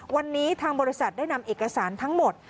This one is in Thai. วันนี้ทางบริษัทได้นำเอกสารทั้งหมด